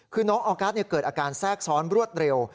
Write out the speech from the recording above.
คือน้องออกัสเกิดอาการแทรกซ้อนรวดเร็ว